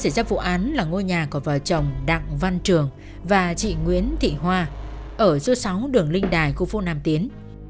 đây là ngôi nhà của vợ chồng đặng văn trường và chị nguyễn thị hoa ở số sáu đường linh đài khu phố nam tiến